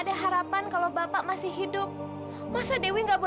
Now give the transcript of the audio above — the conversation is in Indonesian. terima kasih ya non